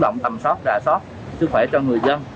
chúng ta sẽ làm sao để chăm sóc rà sóc sức khỏe cho người dân